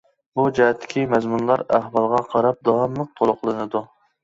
بۇ جەھەتتىكى مەزمۇنلار ئەھۋالغا قاراپ داۋاملىق تولۇقلىنىدۇ!